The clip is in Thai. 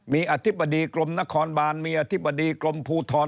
มีอธิบดีกรมนครบานมีอธิบดีกรมภูทร